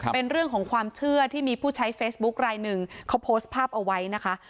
เป็นเรื่องของความเชื่อที่มีผู้ใช้เฟซบุ๊คลายหนึ่งเขาโพสต์ภาพเอาไว้นะคะ